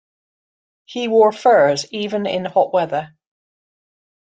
He wore furs even in hot weather.